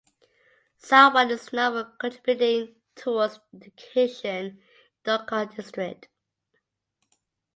Sarwan is known for contributing towards education in Deoghar district.